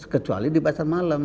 kecuali di pasar malam